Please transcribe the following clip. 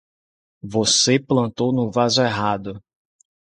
Você plantou no vaso errado!